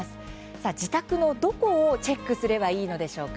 さあ自宅のどこをチェックすればいいのでしょうか。